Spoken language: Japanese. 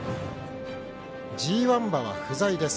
ＧＩ馬は不在です。